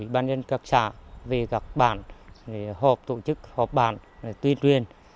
bản nhân các xã về các bản hợp tổ chức hợp bản tuyên truyền